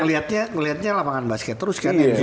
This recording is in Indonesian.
karena ngeliatnya lapangan basket terus kan enzo